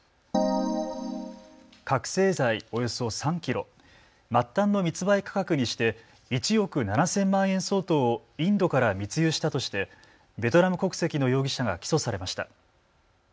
覚醒剤およそ３キロ、末端の密売価格にして１億７０００万円相当をインドから密輸したとしてベトナム国籍の容疑者が起訴されました。